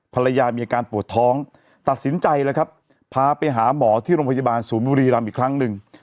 ภรรยามีอาการปวดท้องตัดสินใจเลยครับพาไปหาหมอที่โรงพยาบาลศูนย์บุรีรำอีกครั้งหนึ่ง